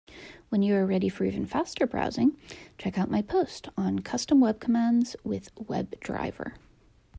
When you are ready for even faster browsing, check out my post on Custom web commands with WebDriver.